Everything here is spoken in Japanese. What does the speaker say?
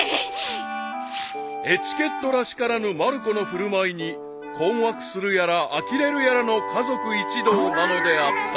［エチケットらしからぬまる子の振る舞いに困惑するやらあきれるやらの家族一同なのであった］